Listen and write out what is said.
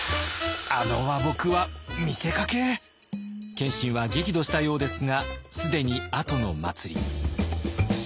謙信は激怒したようですが既に後の祭り。